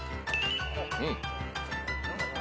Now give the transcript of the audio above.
うん。